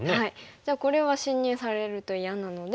じゃあこれは侵入されると嫌なのでオサえます。